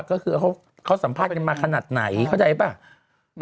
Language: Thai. ก็คือเขาสัมภาษณ์กันมาขนาดไหนเข้าใจป่ะ